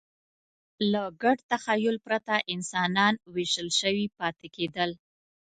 له ګډ تخیل پرته انسانان وېشل شوي پاتې کېدل.